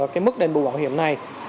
cái mức đền bù bảo hiểm này